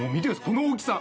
この大きさ。